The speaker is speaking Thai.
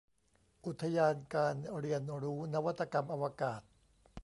อุทยานการเรียนรู้นวัตกรรมอวกาศ